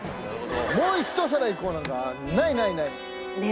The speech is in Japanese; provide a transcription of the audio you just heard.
もう１皿いこうなんかないないないない。